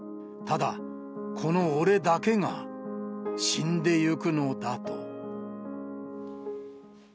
ただ、この俺だけが死んでいくのだと。